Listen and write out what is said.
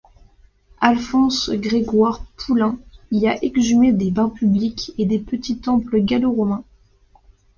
Alphonse-Georges Poulain y a exhumé des bains publics et des petits temples gallo-romains.